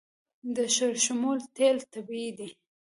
د شړشمو تیل طبیعي دي.